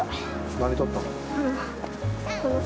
何とったん？